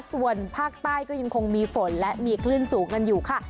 ส่วนภาคใต้ก็ยังคงมีฝนและมีคลื่นสูงกันอยู่ค่ะ